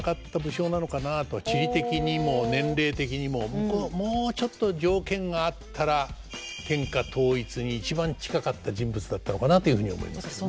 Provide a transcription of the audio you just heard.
地理的にも年齢的にももうちょっと条件が合ったら天下統一に一番近かった人物だったのかなというふうに思いますね。